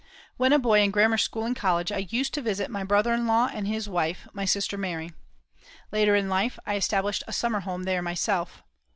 When a boy in grammar school and college I used to visit my brother in law and his wife, my sister Mary. Later in life I established a summer home there myself.